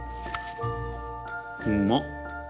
うまっ。